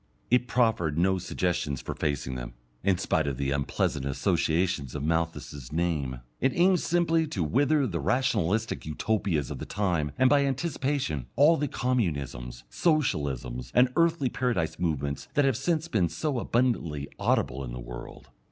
It proffered no suggestions for facing them (in spite of the unpleasant associations of Malthus's name), it aimed simply to wither the Rationalistic Utopias of the time and by anticipation, all the Communisms, Socialisms, and Earthly Paradise movements that have since been so abundantly audible in the world.